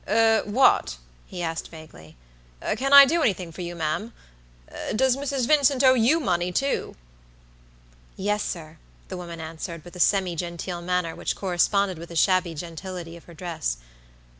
"Eh, what?" he asked, vaguely. "Can I do anything for you, ma'am? Does Mrs. Vincent owe you money, too?" "Yes, sir," the woman answered, with a semi genteel manner which corresponded with the shabby gentility of her dress.